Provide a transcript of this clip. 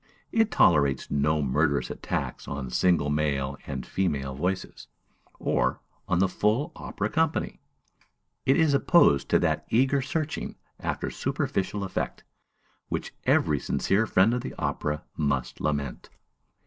It tolerates no murderous attacks on single male and female voices, or on the full opera company; it is opposed to that eager searching after superficial effect, which every sincere friend of the opera must lament.